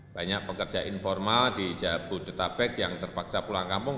banyak pekerja informal di jabodetabek yang terpaksa pulang kampung